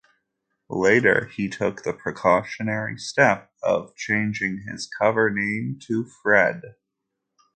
Later he took the precautionary step of changing his cover name to "Fred".